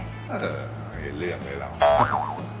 เจอไม่เห็นเรื่องเลยหรอก